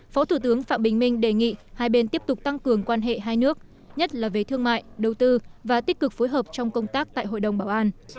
phó thủ tướng phạm bình minh đề nghị hai bên tiếp tục tăng cường quan hệ hai nước nhất là về thương mại đầu tư và tích cực phối hợp trong công tác tại hội đồng bảo an